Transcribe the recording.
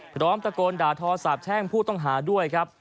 พร้อมตะโกนด่าทอสาบแช่งผู้ต้องหาด้วยครับ